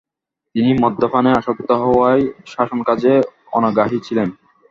তিনি মদ্যপানে আসক্ত হওয়ায় শাসন কাজে অনাগ্রহী ছিলেন।